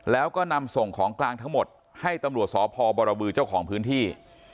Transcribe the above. แล้วก็นำส่งของกลางทั้งหมดให้ตำรวจสพบรบือเจ้าของพื้นที่